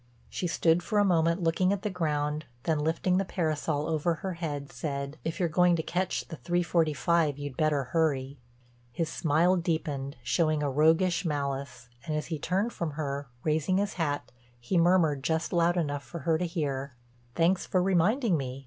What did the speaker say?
She stood for a moment looking at the ground, then lifting the parasol over her head, said: "If you're going to catch the three forty five you'd better hurry." His smile deepened, showed a roguish malice, and as he turned from her, raising his hat, he murmured just loud enough for her to hear: "Thanks for reminding me.